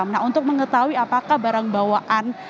nah untuk mengetahui apakah barang bawaan